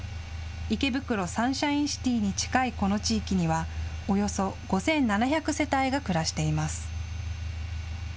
池袋サンシャインシティに近いこの地域にはおよそ５７００世帯が暮らしています。